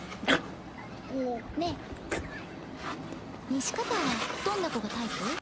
ねえ西片はどんな子がタイプ？